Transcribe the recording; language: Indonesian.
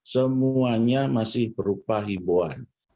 semuanya masih berupa himboan